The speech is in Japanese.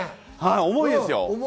重いですよ。